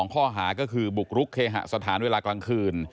ข้อหาก็คือบุกรุกเคหสถานเวลากลางคืน